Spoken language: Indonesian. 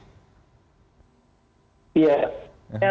ada di luar negeri